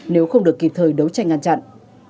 nếu không được kịp thời đấu tranh ngăn chặn